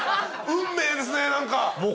運命ですね何か。